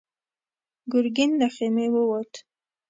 ګرګين له خيمې ووت.